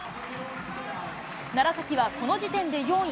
楢崎はこの時点で４位。